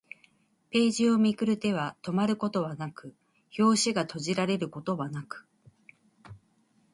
ページをめくる手は止まることはなく、表紙が閉じられることはなく